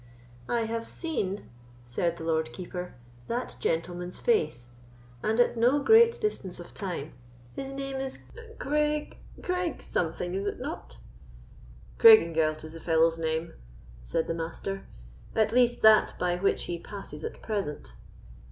"I have seen," said the Lord Keeper, "that gentleman's face, and at no great distance of time; his name is Craig—Craig—something, is it not?" "Craigengelt is the fellow's name," said the Master, "at least that by which he passes at present."